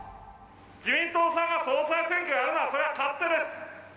自民党さんが総裁選挙やるのは、それは勝手です。